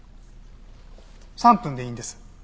３分でいいんです。